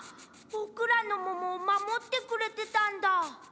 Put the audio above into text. ぼくらのももをまもってくれてたんだ。